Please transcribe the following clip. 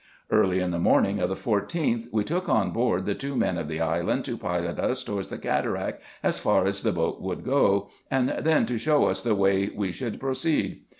Early in the morning of the 14th, we took on board the two men of the island, to pilot us towards the cataract as far as the boat could go, and then to show us the way we should proceed.